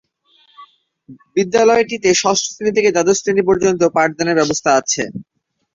বিদ্যালয়টিতে ষষ্ঠ শ্রেণী থেকে দ্বাদশ শ্রেণী পর্যন্ত পাঠদানের ব্যবস্থা আছে।